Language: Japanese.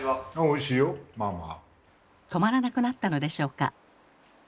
止まらなくなったのでしょうか？